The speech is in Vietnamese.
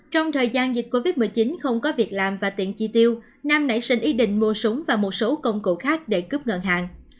trong thời gian dịch covid một mươi chín không có việc làm và tiện chi tiêu nam nảy sinh ý định mua súng và một số công cụ khác để cướp ngân hàng